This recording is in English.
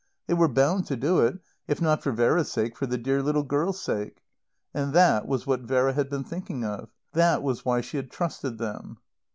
They were bound to do it, if not for Vera's sake, for the dear little girl's sake. And that was what Vera had been thinking of; that was why she had trusted them.